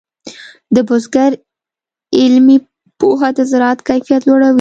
د بزګر علمي پوهه د زراعت کیفیت لوړوي.